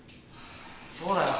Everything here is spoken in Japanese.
そうだよ。